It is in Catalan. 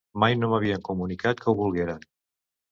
Mai no m'havien comunicat que ho volgueren.